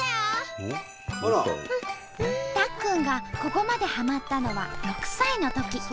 たっくんがここまではまったのは６歳のとき。